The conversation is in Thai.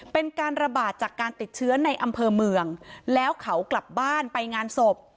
เป็นการระบาดจากการติดเชื้อในอำเภอเมืองแล้วเขากลับบ้านไปงานศพ